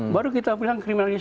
baru kita bilang kriminalisasi